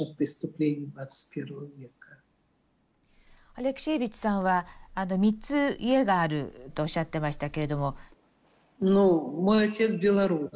アレクシエービッチさんは３つ家があるとおっしゃってましたけれども。